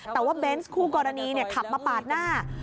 แต่ว่าเบนส์คู่กรณีขับมาปาดหน้า